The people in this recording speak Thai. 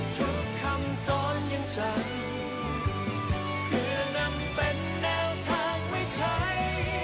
ทุกคำสอนยังจำเพื่อนำเป็นแนวทางไว้ใช้